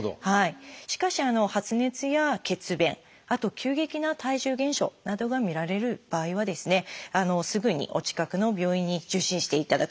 しかし発熱や血便あと急激な体重減少などが見られる場合はすぐにお近くの病院に受診していただく。